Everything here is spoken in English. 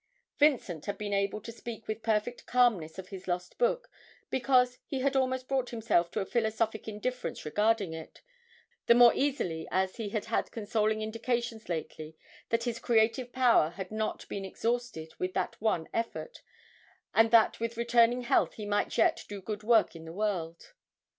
Vincent had been able to speak with perfect calmness of his lost book, because he had almost brought himself to a philosophic indifference regarding it, the more easily as he had had consoling indications lately that his creative power had not been exhausted with that one effort, and that with returning health he might yet do good work in the world.